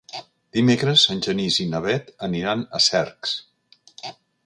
Dimecres en Genís i na Bet aniran a Cercs.